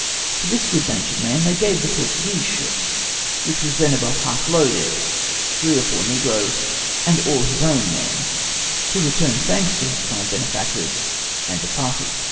To this good natured man they gave the Portuguese ship, which was then above half loaded, three or four negroes, and all his own men, who returned thanks to his kind benefactors, and departed.